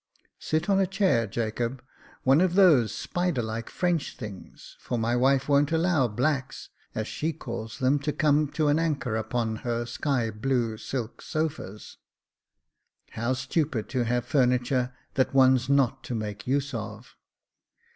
Sit on a chair, Jacob, one of those spider like French things, for my wife won't allow blacks, as she calls them, to come to an anchor upon her sky blue silk sofas. How stupid to have furniture that one's not to make use of!